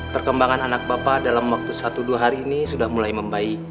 perkembangan anak bapak dalam waktu satu dua hari ini sudah mulai membaik